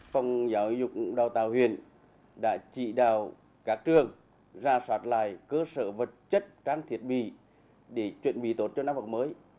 phòng giáo dục đào tạo huyện đã chỉ đạo các trường ra soát lại cơ sở vật chất trang thiết bị để chuẩn bị tốt cho năm học mới